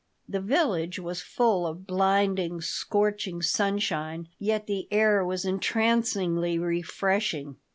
The village was full of blinding, scorching sunshine, yet the air was entrancingly ref reshing.